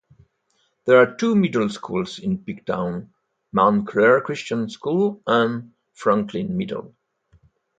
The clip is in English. There are two middle schools in Pigtown: Mount Claire Christian School and Franklin Middle.